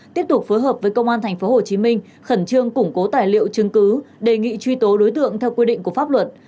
tiếp tục phối hợp với công an tp hcm khẩn trương củng cố tài liệu chứng cứ đề nghị truy tố đối tượng theo quy định của pháp luật